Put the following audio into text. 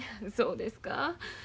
そうですか？